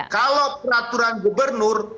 kalau peraturan gubernur